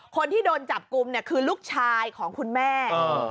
คนที่โดนจับกลุ่มเนี่ยคือลูกชายของคุณแม่